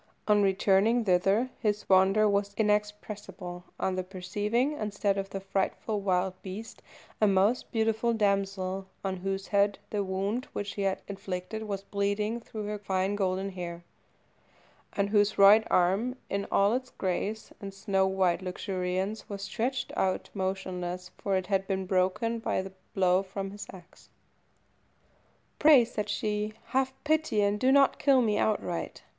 On returning thither his wonder was inexpressible on perceiving, instead of the frightful wild beast, a most beautiful damsel, on whose head the wound which he had inflicted was bleeding through her fine golden hair, and whose right arm, in all its grace and snow white luxuriance, was stretched out motionless, for it had been broken by the blow from his axe. "Pray," said she, "have pity, and do not kill me outright.